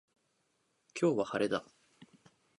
今日は晴れだ